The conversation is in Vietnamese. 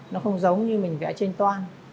nó không giống như mình vẽ trên toan